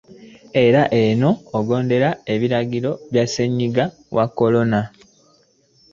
Era Ono agondere ebiragiro bya Ssennyiga Corona.